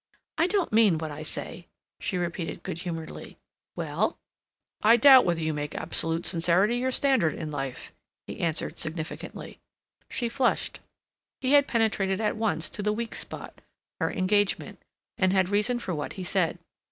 "I don't mean what I say," she repeated good humoredly. "Well—?" "I doubt whether you make absolute sincerity your standard in life," he answered significantly. She flushed. He had penetrated at once to the weak spot—her engagement, and had reason for what he said.